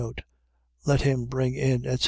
Let him bring in, etc.